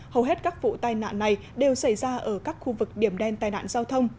hầu hết các vụ tai nạn này đều xảy ra ở các khu vực điểm đen tai nạn giao thông